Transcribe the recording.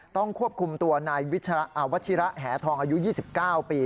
ต้องควบคุมตัวนายวิชีราหาวัชิระแหทองอายุยี่สิบเก้าปี